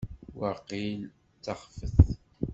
Waqil d taxfet.